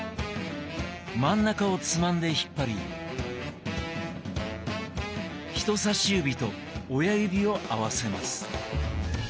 真ん中をつまんで引っ張り人さし指と親指を合わせます。